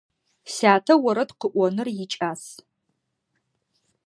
Сятэ орэд къыӏоныр икӏас.